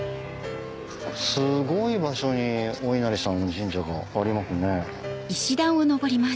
すごい場所にお稲荷さんの神社がありますね。